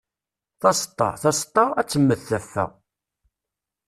Taseṭṭa, taseṭṭa, ad temmed taffa.